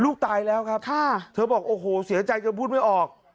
ตายแล้วครับเธอบอกโอ้โหเสียใจจนพูดไม่ออก